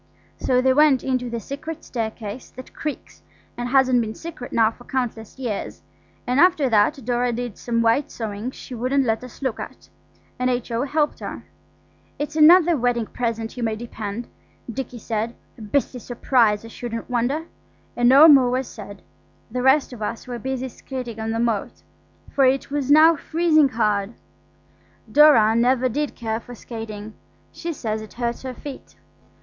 So they went into the secret staircase that creaks and hasn't been secret now for countless years; and after that Dora did some white sewing she wouldn't let us look at, and H.O. helped her. DORA DID SOME WHITE SEWING. "It's another wedding present, you may depend," Dicky said–"a beastly surprise, I shouldn't wonder." And no more was said. The rest of us were busy skating on the moat, for it was now freezing hard. Dora never did care for skating; she says it hurts her feet.